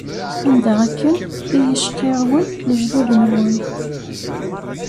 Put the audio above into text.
Anda akken i iyi-cqirrwen lejdud-nwen.